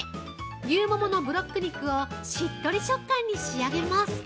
牛もものブロック肉をしっとり食感に仕上げます。